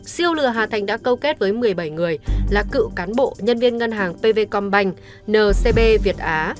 siêu lừa hà thành đã câu kết với một mươi bảy người là cựu cán bộ nhân viên ngân hàng pv com banh ncb việt á